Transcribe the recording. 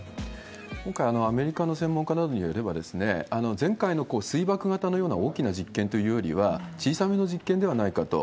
今回、アメリカの専門家などによれば、前回の水爆型のような大きな実験というよりは、小さめの実験ではないかと。